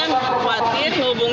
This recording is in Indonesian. menghubungi anak saya